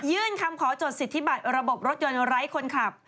คำขอจดสิทธิบัตรระบบรถยนต์ไร้คนขับ